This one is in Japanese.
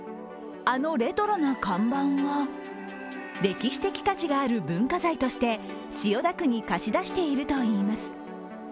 あのレトロな看板は歴史的価値がある文化財として千代田区に貸し出しているといいます。